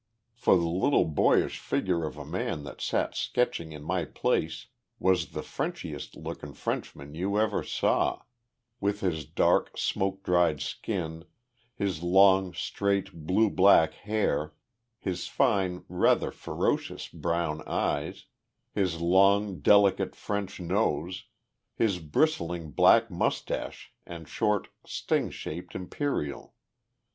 For the little boyish figure of a man that sat sketching in my place was the Frenchiest looking Frenchman you ever saw with his dark, smoke dried skin, his long, straight, blue black hair, his fine, rather ferocious brown eyes, his long, delicate French nose, his bristling black moustache and short, sting shaped imperial.